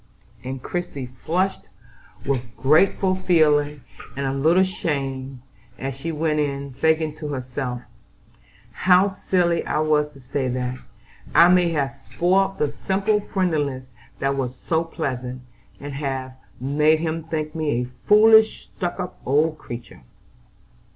and Christie flushed with grateful feeling and a little shame, as she went in, thinking to herself: "How silly I was to say that! I may have spoilt the simple friendliness that was so pleasant, and have made him think me a foolish stuck up old creature."